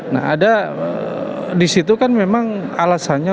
nah ada disitu kan memang alasannya